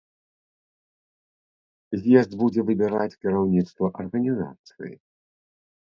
З'езд будзе выбіраць кіраўніцтва арганізацыі.